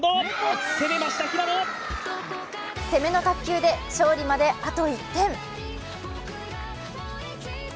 攻めの卓球で勝利まで、あと１点。